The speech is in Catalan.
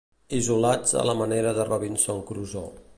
Isolats a la manera de Robinson Crusoe.